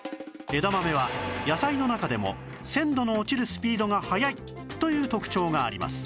枝豆は野菜の中でも鮮度の落ちるスピードが速いという特徴があります